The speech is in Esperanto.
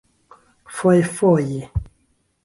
fojfoje